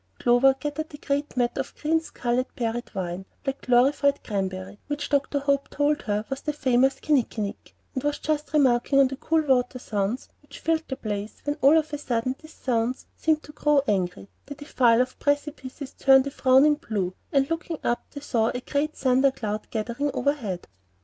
Clover gathered a great mat of green scarlet berried vine like glorified cranberry, which Dr. Hope told her was the famous kinnikinnick, and was just remarking on the cool water sounds which filled the place, when all of a sudden these sounds seemed to grow angry, the defile of precipices turned a frowning blue, and looking up they saw a great thunder cloud gathering overhead.